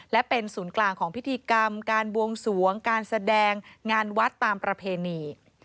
และเป็นศูนย์กลางของพิธีกรรมการบวงสวงการแสดงงานวัดตามประเพณี